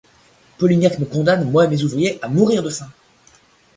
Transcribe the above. Polignac me condamne, moi et mes ouvriers, à mourir de faim !